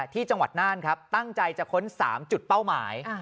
ที่จังหวัดน่านครับตั้งใจจะค้น๓จุดเป้าหมาย